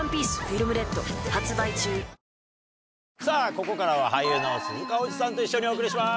ここからは俳優の鈴鹿央士さんと一緒にお送りします。